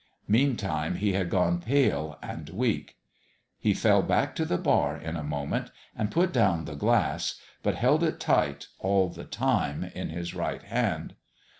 Meantime he had gone pale and weak. He fell back to the bar, in a moment, and put down the glass, but held it tight, all the time, in his right hand.